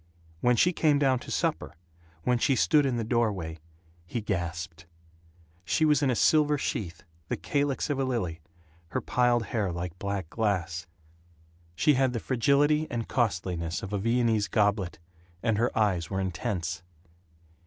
When she came down to supper, when she stood in the doorway, he gasped. She was in a silver sheath, the calyx of a lily, her piled hair like black glass; she had the fragility and costliness of a Viennese goblet; and her eyes were intense.